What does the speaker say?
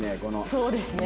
そうですね。